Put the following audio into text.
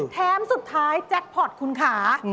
แท้มสุดท้ายแจ๊กพอร์ตคุณค้า